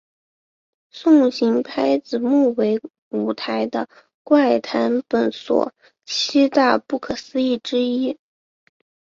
送行拍子木为舞台的怪谈本所七大不可思议之一。